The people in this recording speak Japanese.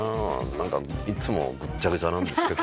いっつもぐっちゃぐちゃなんですけど。